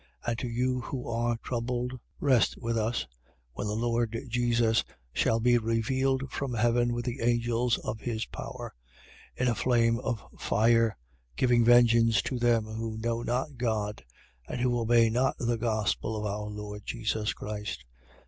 And to you who are troubled, rest with us, when the Lord Jesus shall be revealed from heaven with the angels of his power: 1:8. In a flame of fire, giving vengeance to them who know not God and who obey not the gospel of our Lord Jesus Christ.